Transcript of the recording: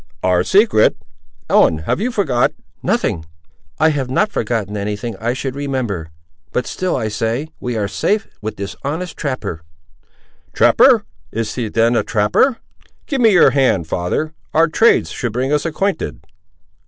"Our secret! Ellen, have you forgot—" "Nothing. I have not forgotten any thing I should remember. But still I say we are safe with this honest trapper." "Trapper! is he then a trapper? Give me your hand, father; our trades should bring us acquainted."